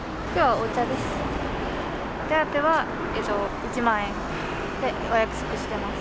お手当は１万円でお約束してます。